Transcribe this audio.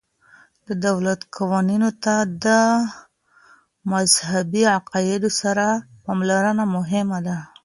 د دولت قوانینو ته د مذهبي عقایدو سره پاملرنه مهمه ده.